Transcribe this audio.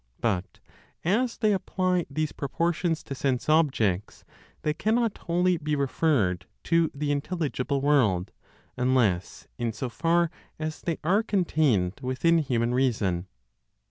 But as they apply these proportions to sense objects, they cannot wholly be referred to the intelligible world, unless in so far as they are contained within human reason.